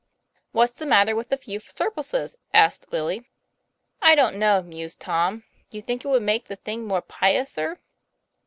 "What's the matter with a few surplices?" asked Willie. "I don't know," mused Tom. 'Do you think it would make the thing more piouser?"